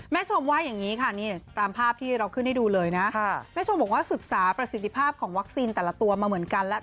ชมว่าอย่างนี้ค่ะนี่ตามภาพที่เราขึ้นให้ดูเลยนะแม่ชมบอกว่าศึกษาประสิทธิภาพของวัคซีนแต่ละตัวมาเหมือนกันแล้ว